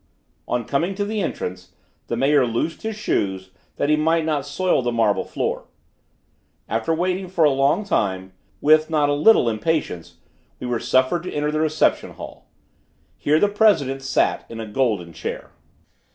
On coming to the entrance, the mayor loosed his shoes, that he might not soil the marble floor. After waiting for a long time, with not a little impatience, we were suffered to enter the reception hall. Here the president sat in a golden chair.